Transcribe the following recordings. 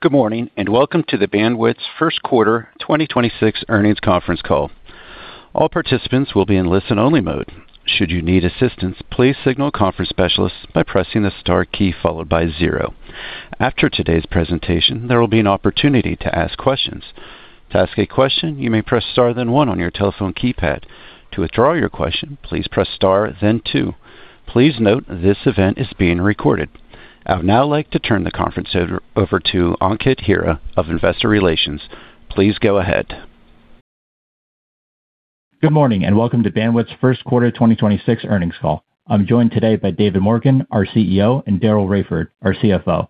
Good morning, and welcome to the Bandwidth's Q1 2026 earnings conference call. All participants will be in listen-only mode. Should you need assistance, please signal a conference specialist by pressing the Star key followed by zero. After today's presentation, there will be an opportunity to ask questions. To ask a question, you may press Star then one on your telephone keypad. To withdraw your question, please press Star then two. Please note this event is being recorded. I would now like to turn the conference over to Ankit Hira of Investor Relations. Please go ahead. Good morning, welcome to Bandwidth's Q1 2026 earnings call. I'm joined today by David Morken, our CEO, and Daryl Raiford, our CFO.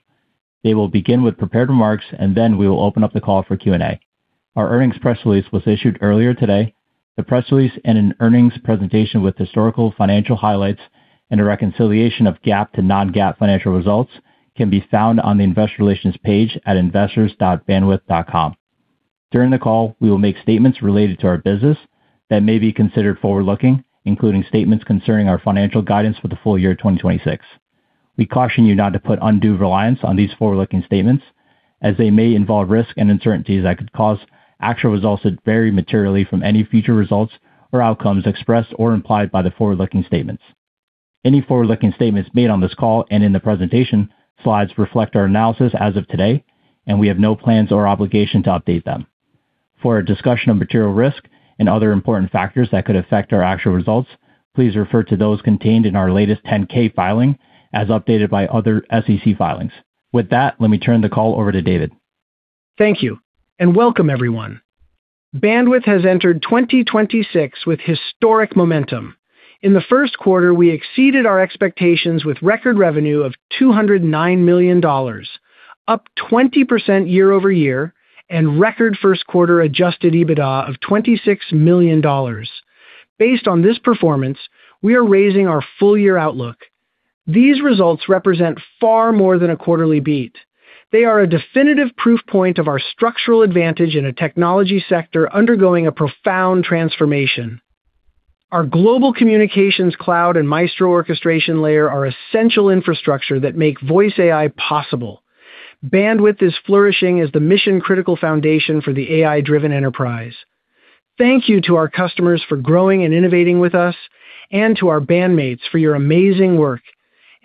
They will begin with prepared remarks, then we will open up the call for Q&A. Our earnings press release was issued earlier today. The press release and an earnings presentation with historical financial highlights and a reconciliation of GAAP to non-GAAP financial results can be found on the investor relations page at investors.bandwidth.com. During the call, we will make statements related to our business that may be considered forward-looking, including statements concerning our financial guidance for the full year 2026. We caution you not to put undue reliance on these forward-looking statements as they may involve risks and uncertainties that could cause actual results to vary materially from any future results or outcomes expressed or implied by the forward-looking statements. Any forward-looking statements made on this call and in the presentation slides reflect our analysis as of today, and we have no plans or obligation to update them. For a discussion of material risk and other important factors that could affect our actual results, please refer to those contained in our latest 10-K filing as updated by other SEC filings. With that, let me turn the call over to David. Thank you, and welcome everyone. Bandwidth has entered 2026 with historic momentum. In the 1st quarter, we exceeded our expectations with record revenue of $209 million, up 20% year-over-year, and record Q1 adjusted EBITDA of $26 million. Based on this performance, we are raising our full-year outlook. These results represent far more than a quarterly beat. They are a definitive proof point of our structural advantage in a technology sector undergoing a profound transformation. Our global communications cloud and Maestro orchestration layer are essential infrastructure that make Voice AI possible. Bandwidth is flourishing as the mission-critical foundation for the AI-driven enterprise. Thank you to our customers for growing and innovating with us and to our bandmates for your amazing work.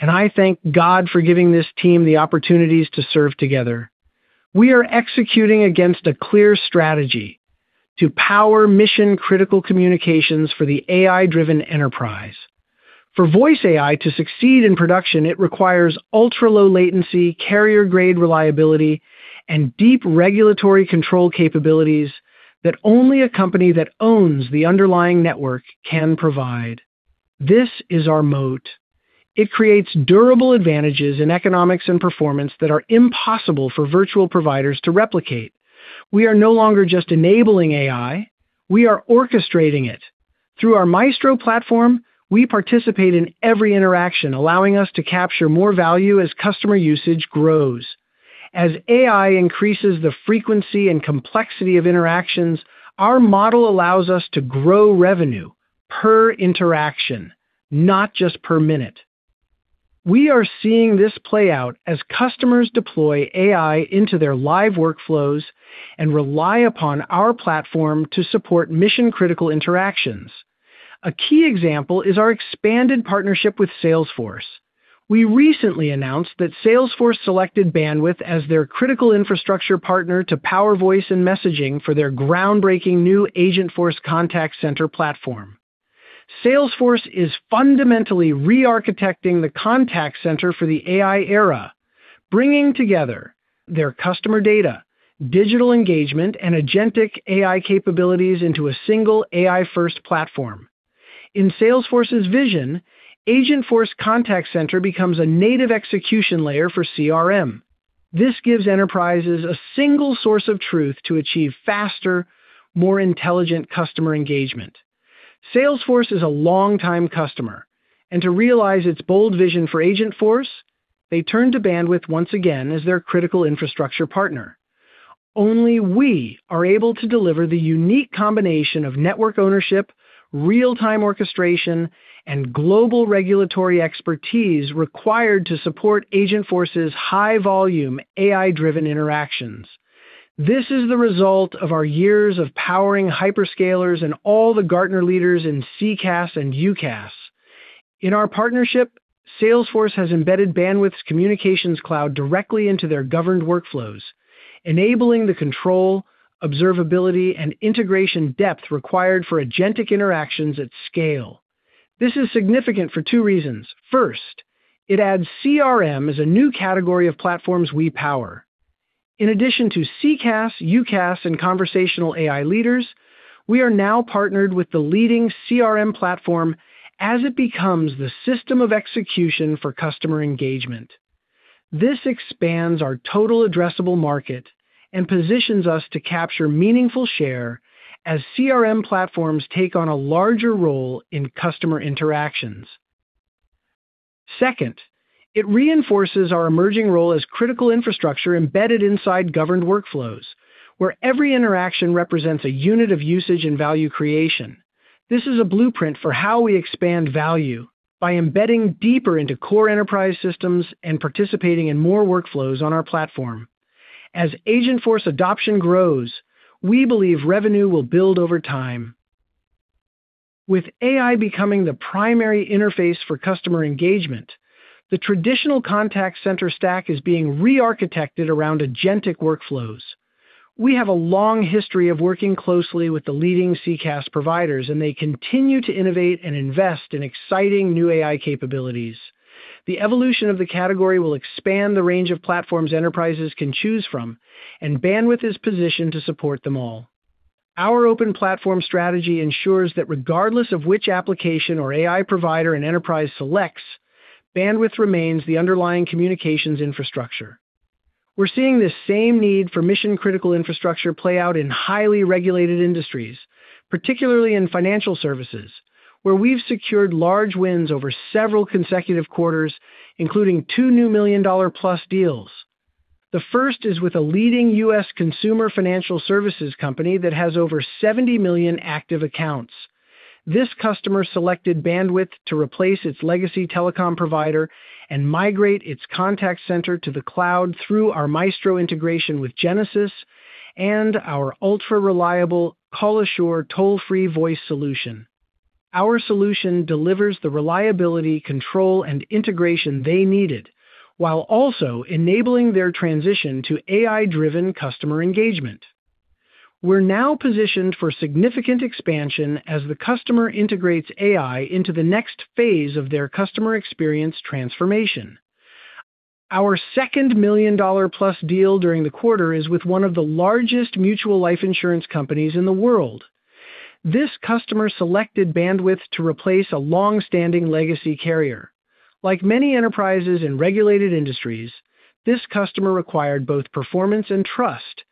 I thank God for giving this team the opportunities to serve together. We are executing against a clear strategy to power mission-critical communications for the AI-driven enterprise. For voice AI to succeed in production, it requires ultra-low latency, carrier-grade reliability, and deep regulatory control capabilities that only a company that owns the underlying network can provide. This is our moat. It creates durable advantages in economics and performance that are impossible for virtual providers to replicate. We are no longer just enabling AI, we are orchestrating it. Through our Maestro platform, we participate in every interaction, allowing us to capture more value as customer usage grows. As AI increases the frequency and complexity of interactions, our model allows us to grow revenue per interaction, not just per minute. We are seeing this play out as customers deploy AI into their live workflows and rely upon our platform to support mission-critical interactions. A key example is our expanded partnership with Salesforce. We recently announced that Salesforce selected Bandwidth as their critical infrastructure partner to power voice and messaging for their groundbreaking new Agentforce Contact Center platform. Salesforce is fundamentally re-architecting the contact center for the AI era, bringing together their customer data, digital engagement, and agentic AI capabilities into a single AI-first platform. In Salesforce's vision, Agentforce Contact Center becomes a native execution layer for CRM. This gives enterprises a single source of truth to achieve faster, more intelligent customer engagement. Salesforce is a longtime customer, and to realize its bold vision for Agentforce, they turned to Bandwidth once again as their critical infrastructure partner. Only we are able to deliver the unique combination of network ownership, real-time orchestration, and global regulatory expertise required to support Agentforce's high volume AI-driven interactions. This is the result of our years of powering hyperscalers and all the Gartner leaders in CCaaS and UCaaS. In our partnership, Salesforce has embedded Bandwidth's communications cloud directly into their governed workflows, enabling the control, observability, and integration depth required for agentic interactions at scale. This is significant for two reasons. First, it adds CRM as a new category of platforms we power. In addition to CCaaS, UCaaS, and conversational AI leaders, we are now partnered with the leading CRM platform as it becomes the system of execution for customer engagement. This expands our total addressable market and positions us to capture meaningful share as CRM platforms take on a larger role in customer interactions. Second, it reinforces our emerging role as critical infrastructure embedded inside governed workflows, where every interaction represents a unit of usage and value creation. This is a blueprint for how we expand value by embedding deeper into core enterprise systems and participating in more workflows on our platform. As Agentforce adoption grows, we believe revenue will build over time. With AI becoming the primary interface for customer engagement, the traditional contact center stack is being re-architected around agentic workflows. We have a long history of working closely with the leading CCaaS providers, and they continue to innovate and invest in exciting new AI capabilities. The evolution of the category will expand the range of platforms enterprises can choose from, and Bandwidth is positioned to support them all. Our open platform strategy ensures that regardless of which application or AI provider an enterprise selects, Bandwidth remains the underlying communications infrastructure. We're seeing this same need for mission-critical infrastructure play out in highly regulated industries, particularly in financial services, where we've secured large wins over several consecutive quarters, including two new million-dollar plus deals. The first is with a leading U.S. consumer financial services company that has over 70 million active accounts. This customer selected Bandwidth to replace its legacy telecom provider and migrate its contact center to the cloud through our Maestro integration with Genesys and our ultra-reliable Call Assure toll-free voice solution. Our solution delivers the reliability, control, and integration they needed while also enabling their transition to AI-driven customer engagement. We're now positioned for significant expansion as the customer integrates AI into the next phase of their customer experience transformation. Our second million-dollar plus deal during the quarter is with one of the largest mutual life insurance companies in the world. This customer selected Bandwidth to replace a long-standing legacy carrier. Like many enterprises in regulated industries, this customer required both performance and trust,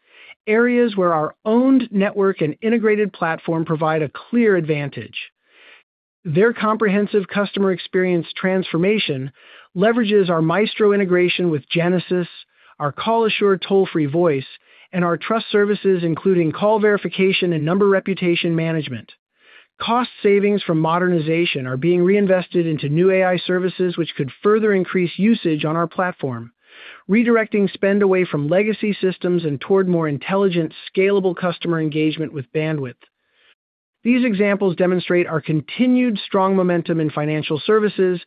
areas where our owned network and integrated platform provide a clear advantage. Their comprehensive customer experience transformation leverages our Maestro integration with Genesys, our Call Assure toll-free voice, and our trust services, including call verification and number reputation management. Cost savings from modernization are being reinvested into new AI services, which could further increase usage on our platform, redirecting spend away from legacy systems and toward more intelligent, scalable customer engagement with Bandwidth. These examples demonstrate our continued strong momentum in financial services,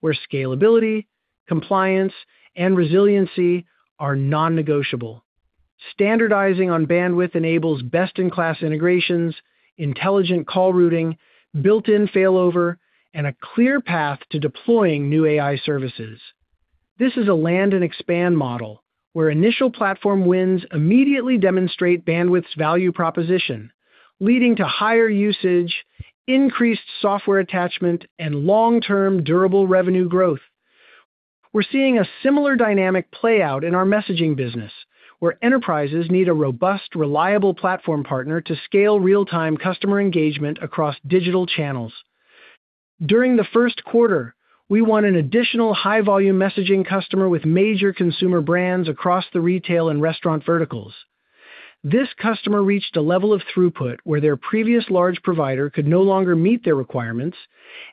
where scalability, compliance, and resiliency are non-negotiable. Standardizing on Bandwidth enables best-in-class integrations, intelligent call routing, built-in failover, and a clear path to deploying new AI services. This is a land and expand model where initial platform wins immediately demonstrate Bandwidth's value proposition, leading to higher usage, increased software attachment, and long-term durable revenue growth. We're seeing a similar dynamic play out in our messaging business, where enterprises need a robust, reliable platform partner to scale real-time customer engagement across digital channels. During the Q1, we won an additional high-volume messaging customer with major consumer brands across the retail and restaurant verticals. This customer reached a level of throughput where their previous large provider could no longer meet their requirements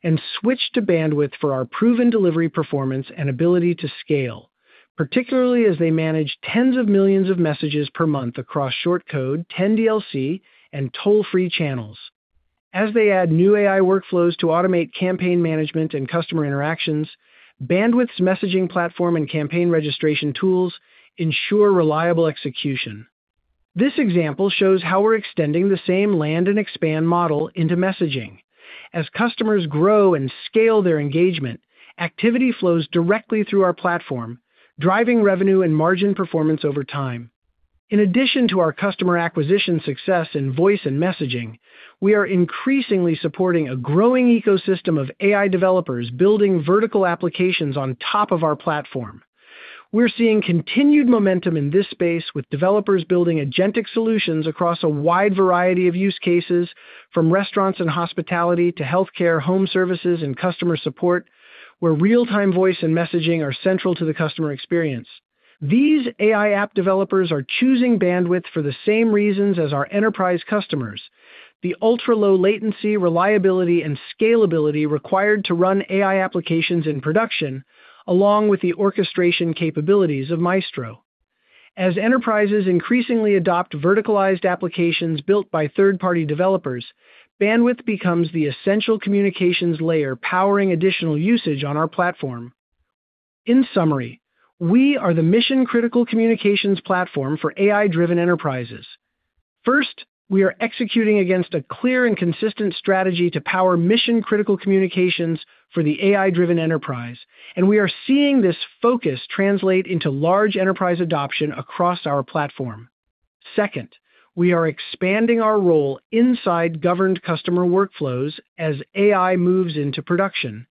and switched to Bandwidth for our proven delivery performance and ability to scale, particularly as they manage tens of millions of messages per month across short code, 10DLC, and toll-free channels. As they add new AI workflows to automate campaign management and customer interactions, Bandwidth's messaging platform and campaign registration tools ensure reliable execution. This example shows how we're extending the same land and expand model into messaging. As customers grow and scale their engagement, activity flows directly through our platform, driving revenue and margin performance over time. In addition to our customer acquisition success in voice and messaging, we are increasingly supporting a growing ecosystem of AI developers building vertical applications on top of our platform. We're seeing continued momentum in this space with developers building agentic solutions across a wide variety of use cases, from restaurants and hospitality to healthcare, home services, and customer support, where real-time voice and messaging are central to the customer experience. These AI app developers are choosing Bandwidth for the same reasons as our enterprise customers. The ultra-low latency, reliability, and scalability required to run AI applications in production, along with the orchestration capabilities of Maestro. As enterprises increasingly adopt verticalized applications built by third-party developers, Bandwidth becomes the essential communications layer, powering additional usage on our platform. In summary, we are the mission-critical communications platform for AI-driven enterprises. First, we are executing against a clear and consistent strategy to power mission-critical communications for the AI-driven enterprise, and we are seeing this focus translate into large enterprise adoption across our platform. Second, we are expanding our role inside governed customer workflows as AI moves into production.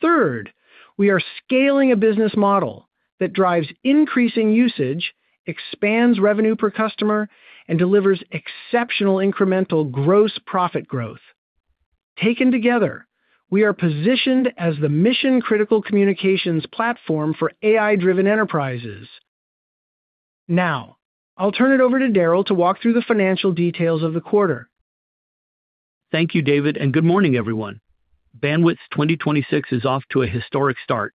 Third, we are scaling a business model that drives increasing usage, expands revenue per customer, and delivers exceptional incremental gross profit growth. Taken together, we are positioned as the mission-critical communications platform for AI-driven enterprises. I'll turn it over to Daryl to walk through the financial details of the quarter. Thank you, David, and good morning, everyone. Bandwidth's 2026 is off to a historic start.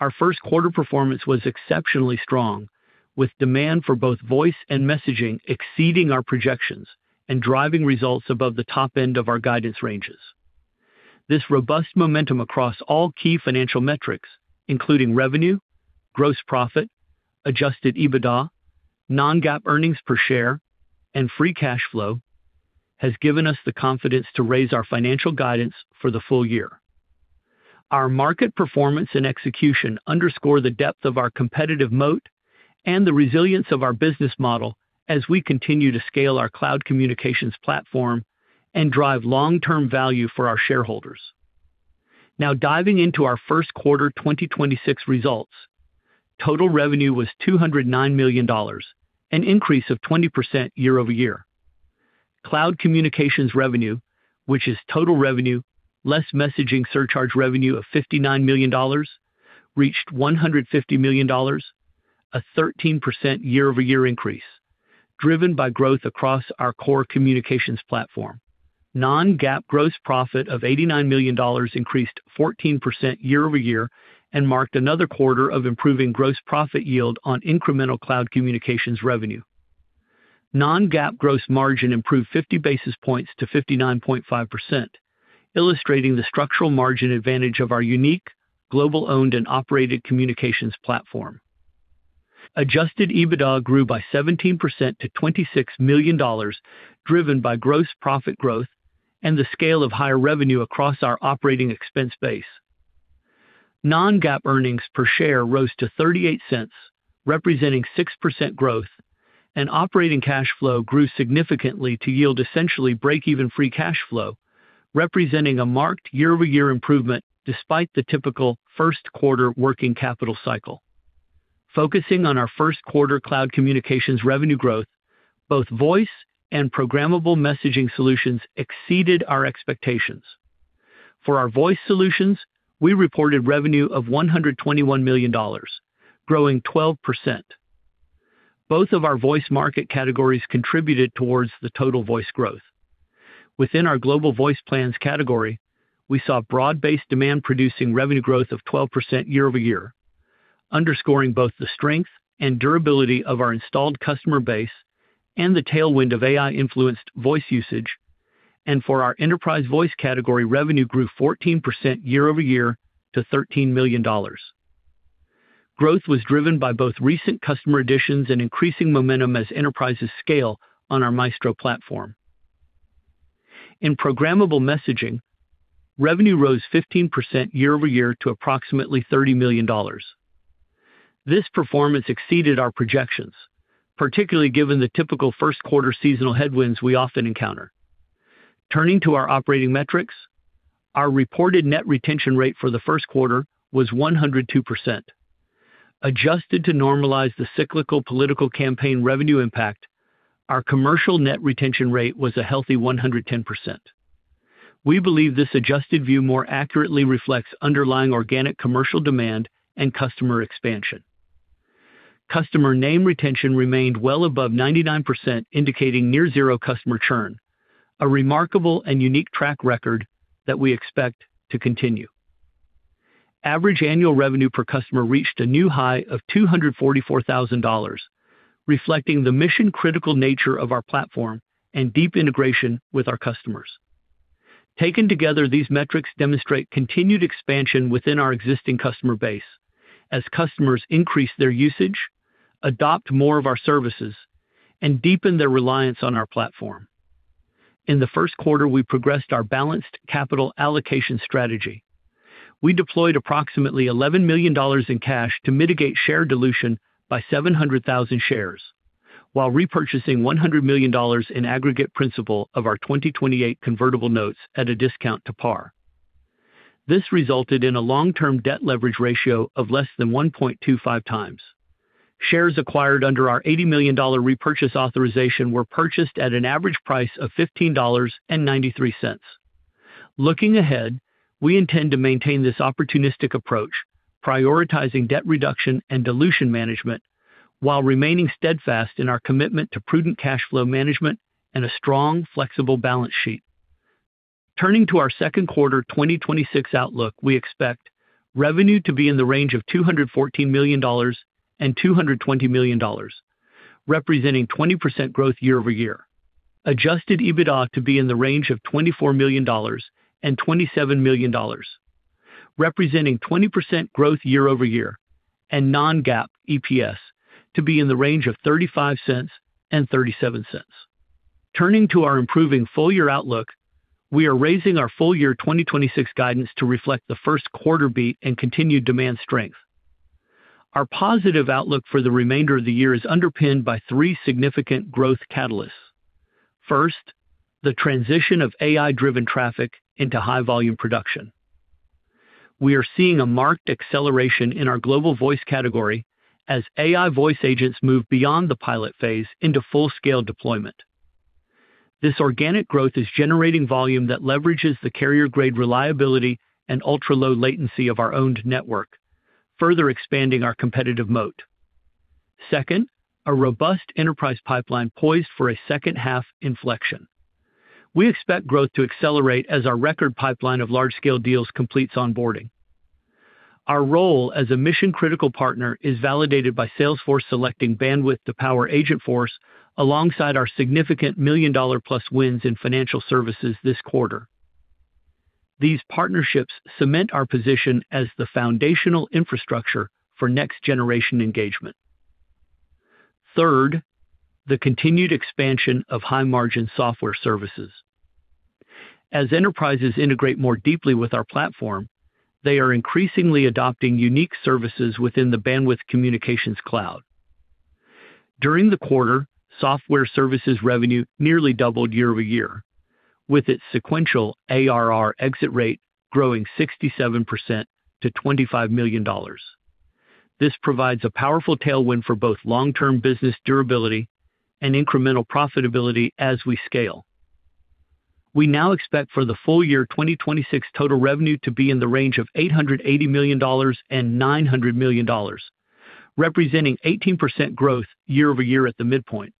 Our Q1 performance was exceptionally strong, with demand for both voice and messaging exceeding our projections and driving results above the top end of our guidance ranges. This robust momentum across all key financial metrics, including revenue, gross profit, adjusted EBITDA, non-GAAP earnings per share, and free cash flow, has given us the confidence to raise our financial guidance for the full year. Our market performance and execution underscore the depth of our competitive moat and the resilience of our business model as we continue to scale our cloud communications platform and drive long-term value for our shareholders. Diving into our Q1 2026 results, total revenue was $209 million, an increase of 20% year-over-year. Cloud Communications revenue, which is total revenue less messaging surcharge revenue of $59 million, reached $150 million, a 13% year-over-year increase, driven by growth across our core communications platform. non-GAAP gross profit of $89 million increased 14% year-over-year and marked another quarter of improving gross profit yield on incremental Cloud Communications revenue. non-GAAP gross margin improved 50-basis points to 59.5%, illustrating the structural margin advantage of our unique global owned and operated communications platform. Adjusted EBITDA grew by 17% to $26 million, driven by gross profit growth and the scale of higher revenue across our operating expense base. Non-GAAP earnings per share rose to $0.38, representing 6% growth, and operating cash flow grew significantly to yield essentially break-even free cash flow, representing a marked year-over-year improvement despite the typical Q1 working capital cycle. Focusing on our Q1 cloud communications revenue growth, both voice and Programmable Messaging solutions exceeded our expectations. For our voice solutions, we reported revenue of $121 million, growing 12%. Both of our voice market categories contributed towards the total voice growth. Within our Global Voice Plans category, we saw broad-based demand producing revenue growth of 12% year-over-year, underscoring both the strength and durability of our installed customer base and the tailwind of AI-influenced voice usage. For our Enterprise Voice category, revenue grew 14% year-over-year to $13 million. Growth was driven by both recent customer additions and increasing momentum as enterprises scale on our Maestro platform. In Programmable Messaging, revenue rose 15% year-over-year to approximately $30 million. This performance exceeded our projections, particularly given the typical Q1 seasonal headwinds we often encounter. Turning to our operating metrics, our reported net retention rate for the Q1 was 102%. Adjusted to normalize the cyclical political campaign revenue impact, our commercial net retention rate was a healthy 110%. We believe this adjusted view more accurately reflects underlying organic commercial demand and customer expansion. Customer name retention remained well above 99%, indicating near zero customer churn, a remarkable and unique track record that we expect to continue. Average annual revenue per customer reached a new high of $244,000, reflecting the mission-critical nature of our platform and deep integration with our customers. Taken together, these metrics demonstrate continued expansion within our existing customer base as customers increase their usage, adopt more of our services, and deepen their reliance on our platform. In the Q1, we progressed our balanced capital allocation strategy. We deployed approximately $11 million in cash to mitigate share dilution by 700,000 shares while repurchasing $100 million in aggregate principal of our 2028 convertible notes at a discount to par. This resulted in a long-term debt leverage ratio of less than 1.25 times. Shares acquired under our $80 million repurchase authorization were purchased at an average price of $15.93. Looking ahead, we intend to maintain this opportunistic approach, prioritizing debt reduction and dilution management while remaining steadfast in our commitment to prudent cash flow management and a strong, flexible balance sheet. Turning to our Q2 2026 outlook, we expect revenue to be in the range of $214-$220 million, representing 20% growth year-over-year. Adjusted EBITDA to be in the range of $24-$27 million, representing 20% growth year-over-year. non-GAAP EPS to be in the range of $0.35-$0.37. Turning to our improving full year outlook, we are raising our full year 2026 guidance to reflect the Q1 beat and continued demand strength. Our positive outlook for the remainder of the year is underpinned by three significant growth catalysts. First, the transition of AI-driven traffic into high volume production. We are seeing a marked acceleration in our global voice category as AI voice agents move beyond the pilot phase into full-scale deployment. This organic growth is generating volume that leverages the carrier-grade reliability and ultra-low latency of our owned network, further expanding our competitive moat. Second, a robust enterprise pipeline poised for a H2 inflection. We expect growth to accelerate as our record pipeline of large-scale deals completes onboarding. Our role as a mission-critical partner is validated by Salesforce selecting Bandwidth to power Agentforce alongside our significant million-dollar-plus wins in financial services this quarter. These partnerships cement our position as the foundational infrastructure for next-generation engagement. Third, the continued expansion of high-margin software services. As enterprises integrate more deeply with our platform, they are increasingly adopting unique services within the Bandwidth communications cloud. During the quarter, software services revenue nearly doubled year-over-year, with its sequential ARR exit rate growing 67% to $25 million. This provides a powerful tailwind for both long-term business durability and incremental profitability as we scale. We now expect for the full year 2026 total revenue to be in the range of $880-$900 million, representing 18% growth year-over-year at the midpoint,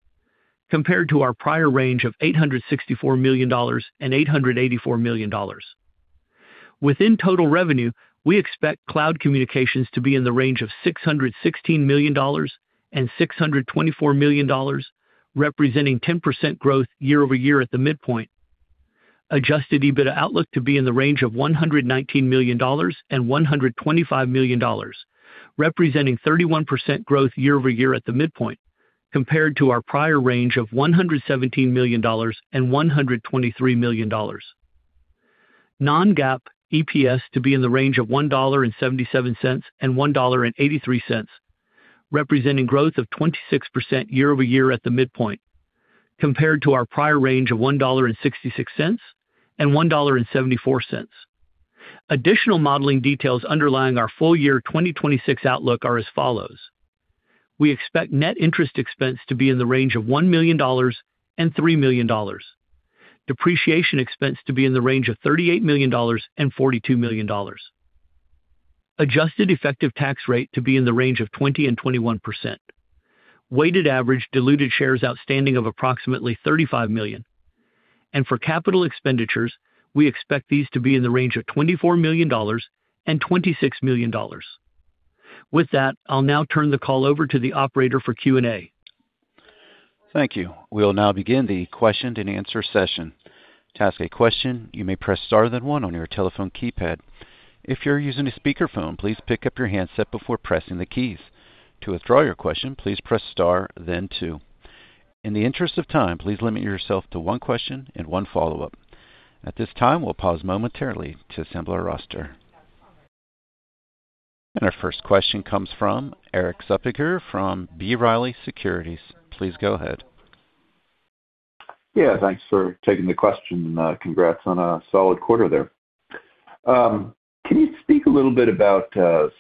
compared to our prior range of $864-$884 million. Within total revenue, we expect Cloud Communications to be in the range of $616-$624 million, representing 10% growth year-over-year at the midpoint. Adjusted EBITDA outlook to be in the range of $119-$125 million, representing 31% growth year-over-year at the midpoint, compared to our prior range of $117-$123 million. Non-GAAP EPS to be in the range of $1.77-$1.83, representing growth of 26% year-over-year at the midpoint, compared to our prior range of $1.66-$1.74. Additional modeling details underlying our full year 2026 outlook are as follows. We expect net interest expense to be in the range of $1-$3 million. Depreciation expense to be in the range of $38-$42 million. Adjusted effective tax rate to be in the range of 20%-21%. Weighted average diluted shares outstanding of approximately 35 million. For capital expenditures, we expect these to be in the range of $24-$26 million. With that, I'll now turn the call over to the operator for Q&A. Thank you. We'll now begin the question and answer session. To ask a question, you may press star then one on your telephone keypad. If you're using a speakerphone, please pick up your handset before pressing the keys. To withdraw your question, please press star then two. In the interest of time, please limit yourself to one question and one follow-up. At this time, we'll pause momentarily to assemble our roster. Our first question comes from Erik Suppiger from B. Riley Securities. Please go ahead. Yeah, thanks for taking the question. Congrats on a solid quarter there. Can you speak a little bit about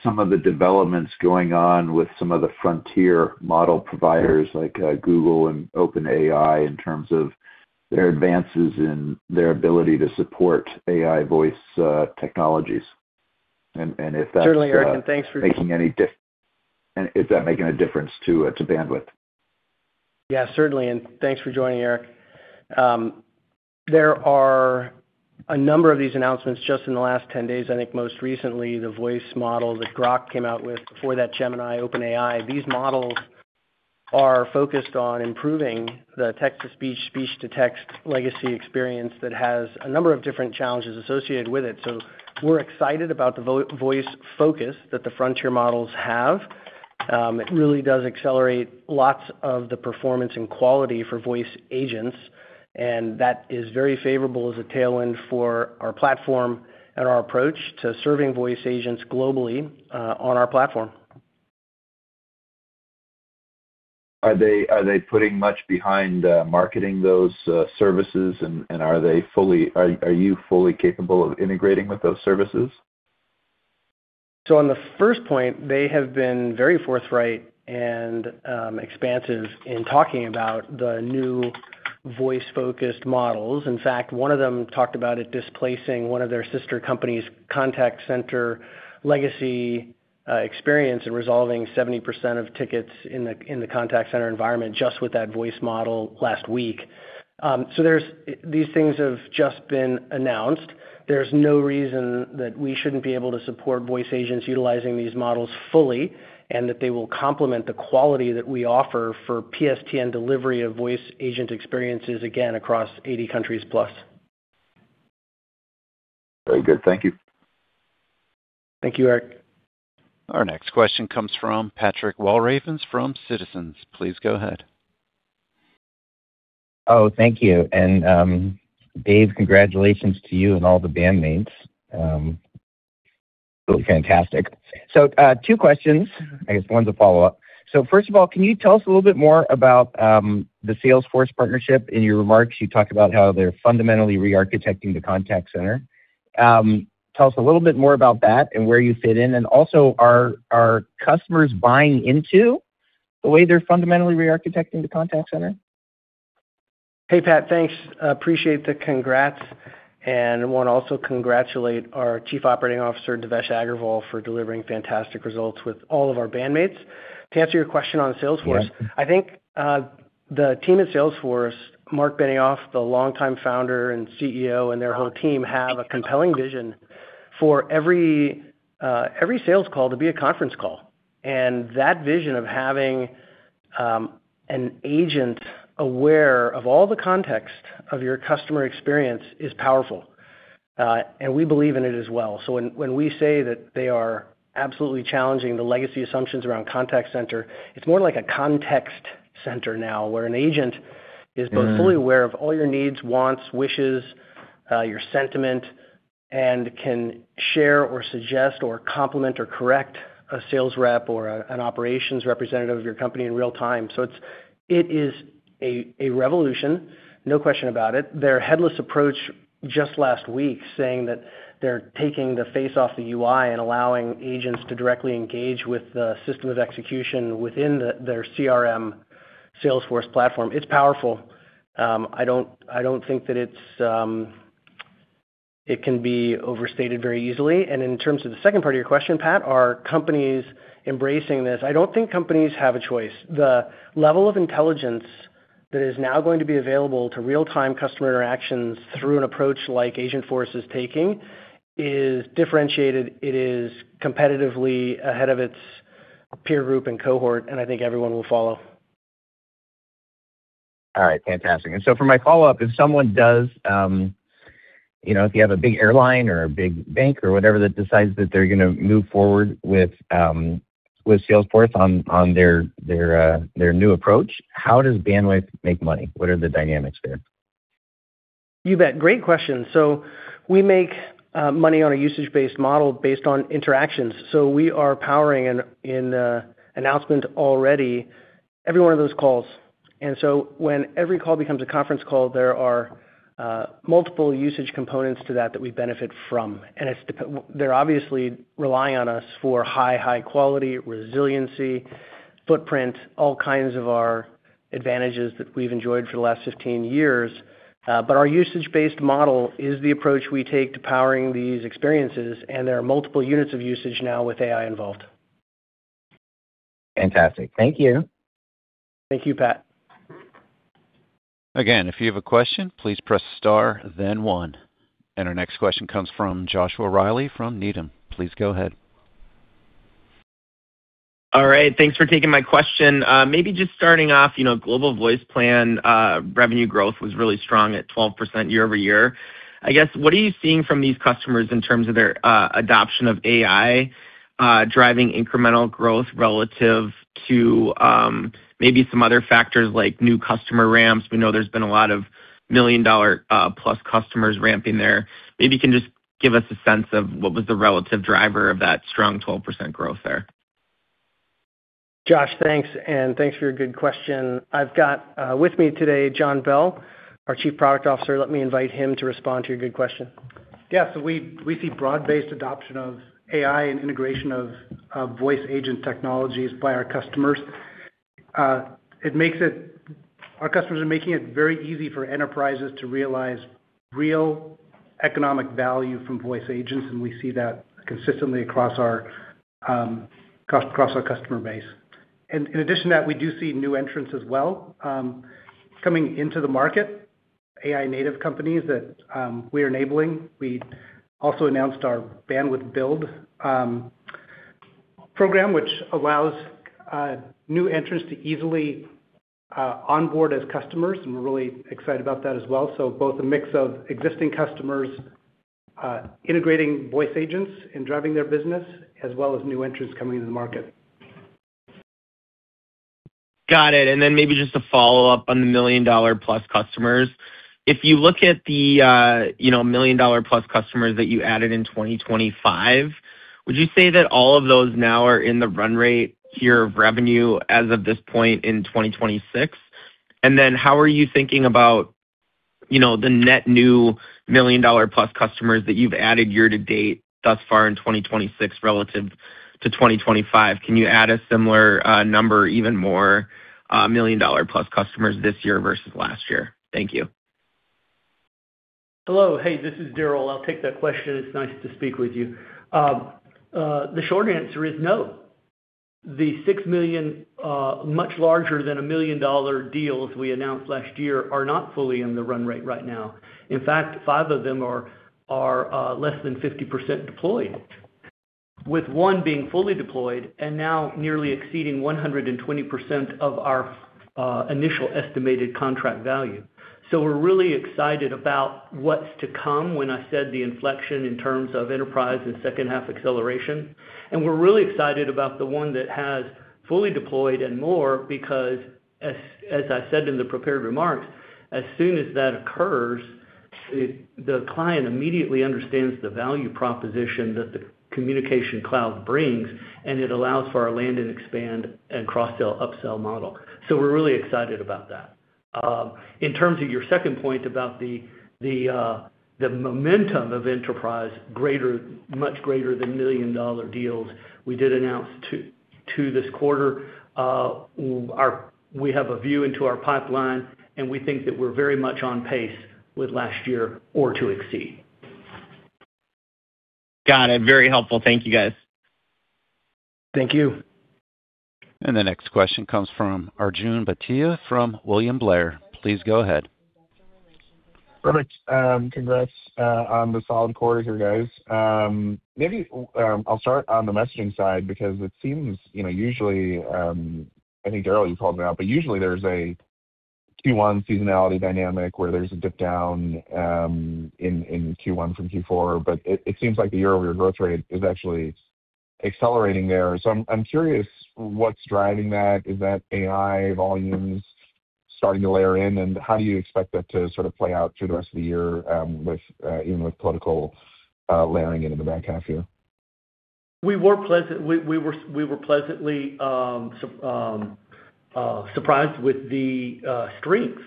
some of the developments going on with some of the frontier model providers like Google and OpenAI in terms of their advances in their ability to support AI voice technologies? If that's. Certainly, Erik, and thanks for... Is that making a difference to Bandwidth? Certainly. Thanks for joining, Erik. There are a number of these announcements just in the last 10 days. I think most recently, the voice model that Grok came out with, before that Gemini, OpenAI. These models are focused on improving the text-to-speech, speech-to-text legacy experience that has a number of different challenges associated with it. We're excited about the voice focus that the frontier models have. It really does accelerate lots of the performance and quality for voice agents, and that is very favorable as a tailwind for our platform and our approach to serving voice agents globally on our platform. Are they putting much behind marketing those services? Are you fully capable of integrating with those services? On the first point, they have been very forthright and expansive in talking about the new voice-focused models. In fact, one of them talked about it displacing one of their sister company's contact center legacy experience in resolving 70% of tickets in the contact center environment just with that voice model last week. These things have just been announced. There's no reason that we shouldn't be able to support voice agents utilizing these models fully, and that they will complement the quality that we offer for PSTN delivery of voice agent experiences, again, across 80 countries plus. Very good. Thank you. Thank you, Erik. Our next question comes from Patrick Walravens from Citizens. Please go ahead. Thank you. Dave, congratulations to you and all the bandmates. Really fantastic. two questions. I guess one's a follow-up. First of all, can you tell us a little bit more about the Salesforce partnership? In your remarks, you talked about how they're fundamentally re-architecting the contact center. Tell us a little bit more about that and where you fit in. Also, are customers buying into the way they're fundamentally re-architecting the contact center. Hey, Pat. Thanks. Appreciate the congrats, and want to congratulate our Chief Operating Officer, Devesh Agarwal, for delivering fantastic results with all of our bandmates. To answer your question on Salesforce. Yeah. I think the team at Salesforce, Marc Benioff, the longtime founder and CEO, and their whole team have a compelling vision for every sales call to be a conference call. That vision of having an agent aware of all the context of your customer experience is powerful. We believe in it as well. When we say that they are absolutely challenging the legacy assumptions around contact center, it's more like a context center now, where an agent is both fully aware of all your needs, wants, wishes, your sentiment, and can share or suggest or complement or correct a sales rep or an operations representative of your company in real time. It is a revolution. No question about it. Their headless approach just last week saying that they're taking the face off the UI and allowing agents to directly engage with the system of execution within their CRM Salesforce platform. It's powerful. I don't think that it can be overstated very easily. In terms of the second part of your question, Pat, are companies embracing this? I don't think companies have a choice. The level of intelligence that is now going to be available to real-time customer interactions through an approach like Agentforce is taking is differentiated. It is competitively ahead of its peer group and cohort, and I think everyone will follow. All right. Fantastic. For my follow-up, if someone does, you know, if you have a big airline or a big bank or whatever, that decides that they're gonna move forward with Salesforce on their new approach, how does Bandwidth make money? What are the dynamics there? You bet. Great question. We make money on a usage-based model based on interactions. We are powering in announcement already every one of those calls. When every call becomes a conference call, there are multiple usage components to that we benefit from. It's They're obviously rely on us for high quality, resiliency, footprint, all kinds of our advantages that we've enjoyed for the last 15 years. Our usage-based model is the approach we take to powering these experiences, and there are multiple units of usage now with AI involved. Fantastic. Thank you. Thank you, Pat. Again, if you have a question, please press star then one. Our next question comes from Joshua Reilly from Needham. Please go ahead. All right, thanks for taking my question. Maybe just starting off, you know, Global Voice Plans revenue growth was really strong at 12% year-over-year. I guess, what are you seeing from these customers in terms of their adoption of AI driving incremental growth relative to maybe some other factors like new customer ramps? We know there's been a lot of $1 million plus customers ramping there. Maybe you can just give us a sense of what was the relative driver of that strong 12% growth there. Josh, thanks, and thanks for your good question. I've got with me today John Bell, our Chief Product Officer. Let me invite him to respond to your good question. We see broad-based adoption of AI and integration of voice agent technologies by our customers. Our customers are making it very easy for enterprises to realize real economic value from voice agents. We see that consistently across our customer base. In addition to that, we do see new entrants as well, coming into the market, AI native companies that we are enabling. We also announced our Bandwidth Build program, which allows new entrants to easily onboard as customers. We're really excited about that as well. Both a mix of existing customers, integrating voice agents and driving their business, as well as new entrants coming into the market. Got it. Maybe just a follow-up on the $1 million-plus customers. If you look at the, you know, $1 million-plus customers that you added in 2025, would you say that all of those now are in the run rate tier of revenue as of this point in 2026? How are you thinking about, you know, the net new $1 million-plus customers that you've added year to date thus far in 2026 relative to 2025? Can you add a similar number, even more, $1 million-plus customers this year versus last year? Thank you. Hello. Hey, this is Daryl. I'll take that question. It's nice to speak with you. The short answer is no. The $6 million, much larger than a million-dollar deals we announced last year are not fully in the run rate right now. In fact, five of them are less than 50% deployed, with one being fully deployed and now nearly exceeding 120% of our initial estimated contract value. We're really excited about what's to come when I said the inflection in terms of enterprise and H2 acceleration. We're really excited about the one that has fully deployed and more because as I said in the prepared remarks, as soon as that occurs, the client immediately understands the value proposition that the communication cloud brings, and it allows for our land and expand and cross-sell, upsell model. We're really excited about that. In terms of your second point about the momentum of enterprise greater, much greater than $1 million deals, we did announce two this quarter. We have a view into our pipeline, and we think that we're very much on pace with last year or to exceed. Got it. Very helpful. Thank you, guys. Thank you. The next question comes from Arjun Bhatia from William Blair. Please go ahead. Perfect. Congrats on the solid quarter here, guys. Maybe, I'll start on the messaging side because it seems, you know, usually, I think Daryl, you called it out, but usually there's a Q1 seasonality dynamic where there's a dip down in Q1 from Q4. It seems like the year-over-year growth rate is actually accelerating there. I'm curious what's driving that. Is that AI volumes starting to layer in? How do you expect that to sort of play out through the rest of the year, even with political layering in the back half here? We were pleasantly surprised with the strength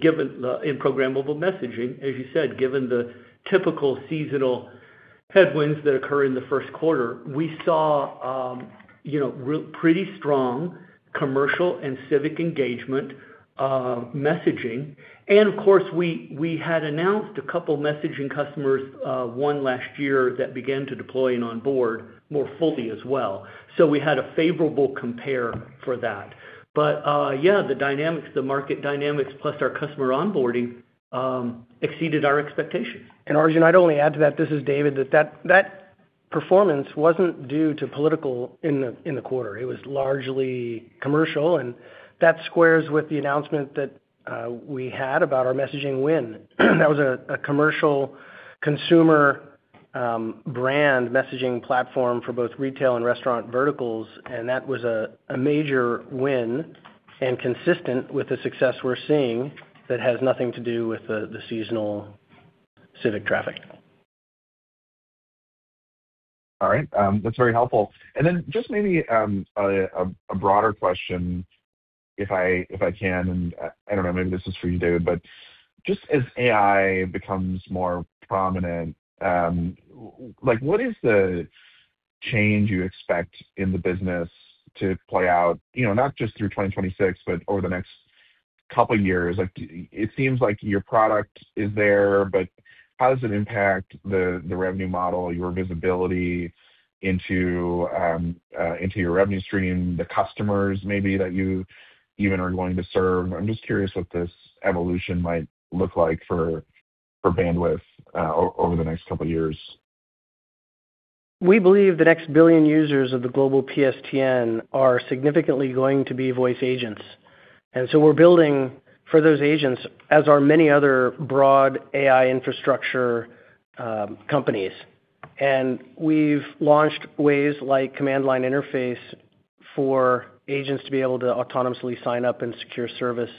given the in Programmable Messaging. As you said, given the typical seasonal headwinds that occur in the Q1. We saw, you know, pretty strong commercial and civic engagement messaging. Of course, we had announced a couple messaging customers won last year that began to deploy and onboard more fully as well. We had a favorable compare for that. Yeah, the dynamics, the market dynamics plus our customer onboarding exceeded our expectations. Arjun, I'd only add to that, this is David, that performance wasn't due to political in the, in the quarter. It was largely commercial, and that squares with the announcement that we had about our messaging win. That was a commercial consumer brand messaging platform for both retail and restaurant verticals, and that was a major win and consistent with the success we're seeing that has nothing to do with the seasonal civic traffic. All right. That's very helpful. Just maybe, a broader question if I, if I can, and I don't know, maybe this is for you, David. Just as AI becomes more prominent, like what is the change you expect in the business to play out, you know, not just through 2026, but over the next couple years? Like, it seems like your product is there, but how does it impact the revenue model, your visibility into your revenue stream, the customers maybe that you even are going to serve? I'm just curious what this evolution might look like for Bandwidth, over the next couple years. We believe the next billion users of the global PSTN are significantly going to be voice agents. We're building for those agents, as are many other broad AI infrastructure companies. We've launched ways like command line interface for agents to be able to autonomously sign up and secure service.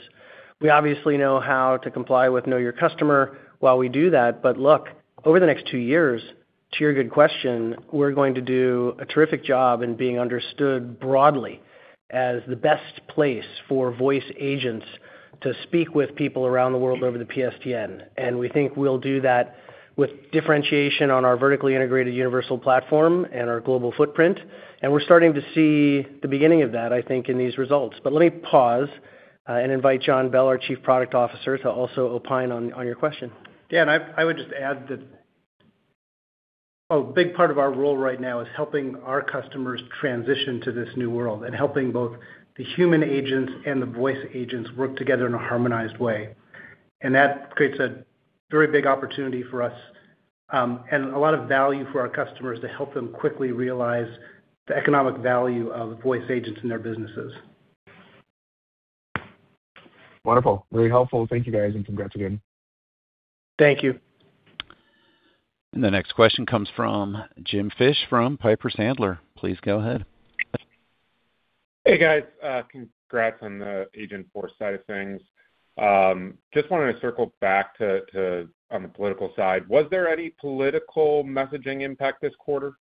We obviously know how to comply with Know Your Customer while we do that. Look, over the next two years, to your good question, we're going to do a terrific job in being understood broadly as the best place for voice agents to speak with people around the world over the PSTN. We think we'll do that with differentiation on our vertically integrated universal platform and our global footprint. We're starting to see the beginning of that, I think, in these results. Let me pause, and invite John Bell, our Chief Product Officer, to also opine on your question. Yeah. I would just add that a big part of our role right now is helping our customers transition to this new world and helping both the human agents and the voice agents work together in a harmonized way. That creates a very big opportunity for us, and a lot of value for our customers to help them quickly realize the economic value of voice agents in their businesses. Wonderful. Very helpful. Thank you, guys, and congrats again. Thank you. The next question comes from James Fish from Piper Sandler. Please go ahead. Hey, guys. Congrats on the Agentforce side of things. Just wanted to circle back to on the political side. Was there any political messaging impact this quarter?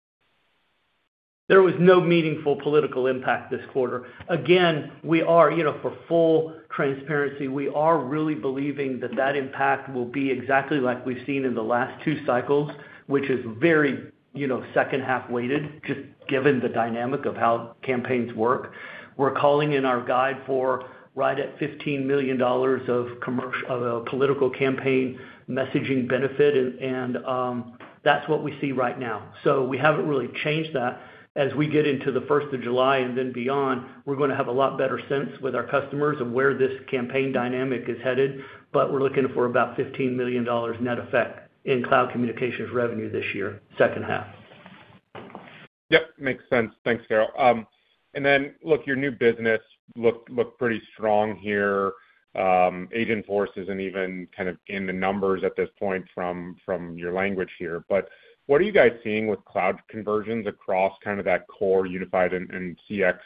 There was no meaningful political impact this quarter. Again, we are, you know, for full transparency, we are really believing that that impact will be exactly like we've seen in the last two cycles, which is very, you know, second-half weighted, just given the dynamic of how campaigns work. We're calling in our guide for right at $15 million of political campaign messaging benefit and that's what we see right now. We haven't really changed that. As we get into the first of July and then beyond, we're gonna have a lot better sense with our customers of where this campaign dynamic is headed, but we're looking for about $15 million net effect in Cloud Communications revenue this year, H2. Yep, makes sense. Thanks, Daryl. Then look, your new business look pretty strong here. Agentforce isn't even kind of in the numbers at this point from your language here, what are you guys seeing with cloud conversions across kind of that core unified and CX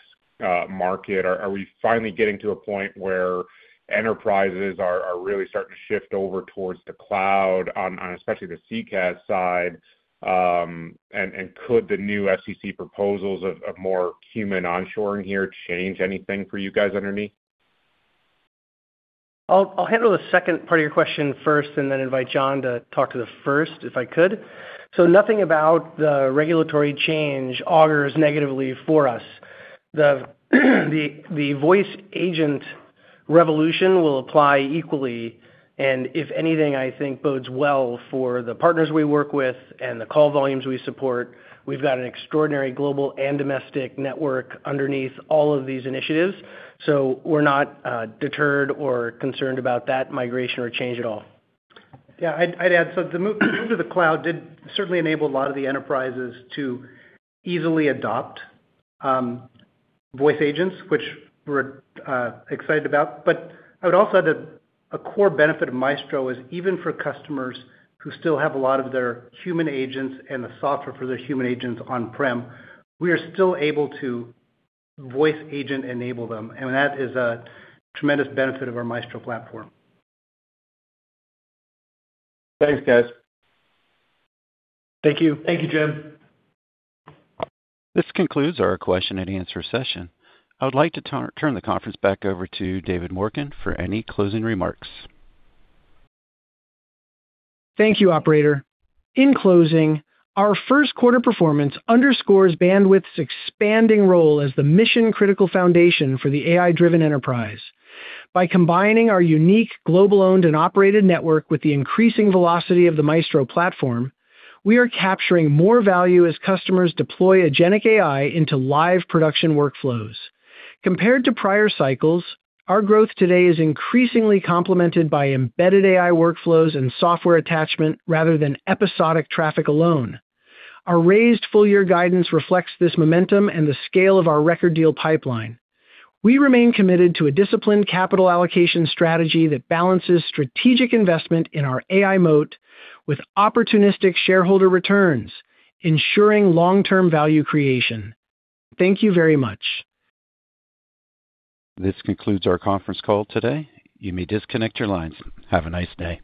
market? Are we finally getting to a point where enterprises are really starting to shift over towards the cloud on especially the CCaaS side? Could the new FCC proposals of more human onshoring here change anything for you guys underneath? I'll handle the second part of your question first, and then invite John to talk to the first, if I could. Nothing about the regulatory change augurs negatively for us. The voice agent revolution will apply equally, and if anything, I think bodes well for the partners we work with and the call volumes we support. We've got an extraordinary global and domestic network underneath all of these initiatives, so we're not deterred or concerned about that migration or change at all. Yeah, I'd add, the move to the cloud did certainly enable a lot of the enterprises to easily adopt voice agents, which we're excited about. I would also add that a core benefit of Maestro is even for customers who still have a lot of their human agents and the software for their human agents on-prem, we are still able to voice agent enable them. That is a tremendous benefit of our Maestro platform. Thanks, guys. Thank you. Thank you, Jim. This concludes our question-and-answer session. I would like to turn the conference back over to David Morken for any closing remarks. Thank you, operator. In closing, our Q1 performance underscores Bandwidth's expanding role as the mission-critical foundation for the AI-driven enterprise. By combining our unique global owned and operated network with the increasing velocity of the Maestro platform, we are capturing more value as customers deploy agenic AI into live production workflows. Compared to prior cycles, our growth today is increasingly complemented by embedded AI workflows and software attachment rather than episodic traffic alone. Our raised full year guidance reflects this momentum and the scale of our record deal pipeline. We remain committed to a disciplined capital allocation strategy that balances strategic investment in our AI moat with opportunistic shareholder returns, ensuring long-term value creation. Thank you very much. This concludes our conference call today. You may disconnect your lines. Have a nice day.